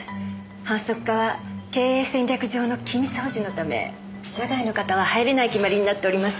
販促課は経営戦略上の機密保持のため社外の方は入れない決まりになっております。